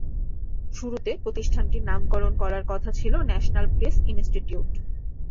শুরুতে প্রতিষ্ঠানটির নামকরণ করার কথা ছিল ন্যাশনাল প্রেস ইনস্টিটিউট।